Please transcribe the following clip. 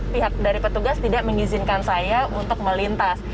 pihak dari petugas tidak mengizinkan saya untuk melintas